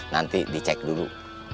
nanti dicek dulu